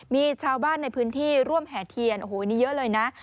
มีชาวบ้านในพื้นที่ร่วมแห่เทียนโอ้โหนี่เยอะเลยนะ